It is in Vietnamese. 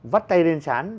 vắt tay lên sán